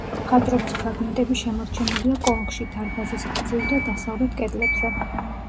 მხატვრობის ფრაგმენტები შემორჩენილია კონქში, დარბაზის გრძივ და დასავლეთ კედლებზე.